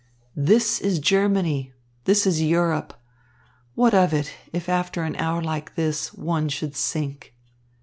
"This is Germany, this is Europe! What of it, if after an hour like this, one should sink?"